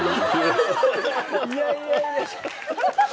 いやいやいや。